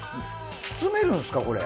包めるんですかこれ。